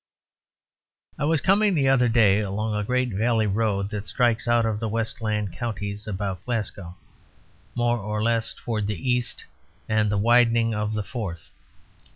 I was coming the other day along a great valley road that strikes out of the westland counties about Glasgow, more or less towards the east and the widening of the Forth.